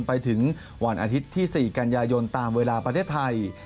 ไปถึงวันอาทิตย์ที่๔กันยายนตามเวลาประเทศไทย